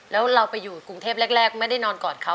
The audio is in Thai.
แล้วเราไปอยู่กรุงเทพแรกไม่ได้นอนกอดเขา